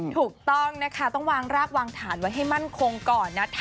ถูกต้องนะคะต้องวางรากวางฐานไว้ให้มั่นคงก่อนนะคะ